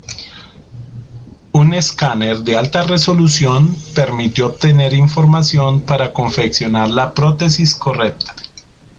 Un escáner de alta resolución permitió obtener información para confeccionar la prótesis correcta.